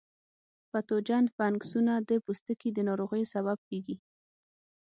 پتوجن فنګسونه د پوستکي د ناروغیو سبب کیږي.